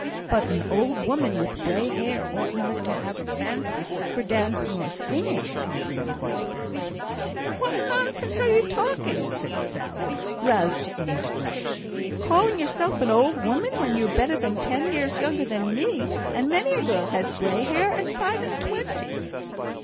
"But an old woman with grey hair ought not to have a fancy for dancing or singing," continued Miss Benson. "Whatten nonsense are ye talking?" said Sally, roused to indignation. "Calling yoursel' an old woman when you're better than ten years younger than me! and many a girl has grey hair at five and twenty."